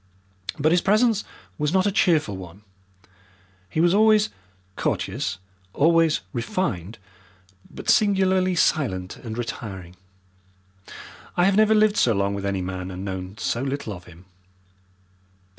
But his presence was not a cheerful one. He was always courteous, always refined, but singularly silent and retiring. I have never lived so long with any man and known so little of him.